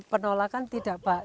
penolakan tidak pak